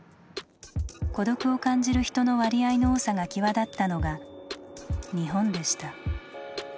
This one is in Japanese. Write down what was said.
孤独を感じる人の割合の多さが際立ったのが日本でした。